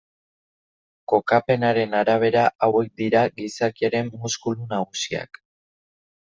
Kokapenaren arabera, hauek dira gizakiaren muskulu nagusiak.